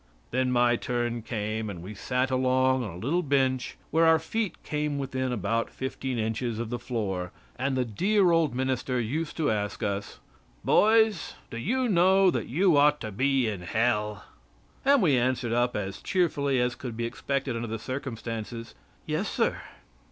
Then my turn came, and we sat along on a little bench where our feet came within about fifteen inches of the floor, and the dear old minister used to ask us: "Boys, do you know that you ought to be in Hell?" And we answered up as cheerfully as could be expected under the circumstances. "Yes, sir."